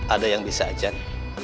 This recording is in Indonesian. ada yang bisa ajan